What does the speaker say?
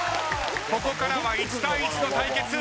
ここからは１対１の対決。